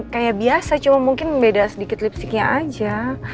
kayak biasa cuma mungkin beda sedikit lipsticknya aja